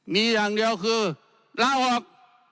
มีอย่างเดียวคือลาออก